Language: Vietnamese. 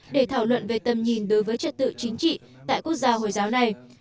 để thảo luận về tầm nhìn đối với trật tự chính trị tại quốc gia hồi giáo này